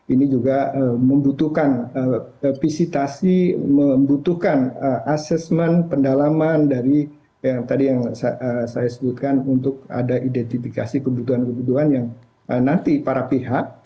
ini juga membutuhkan visitasi membutuhkan assessment pendalaman dari yang tadi yang saya sebutkan untuk ada identifikasi kebutuhan kebutuhan yang nanti para pihak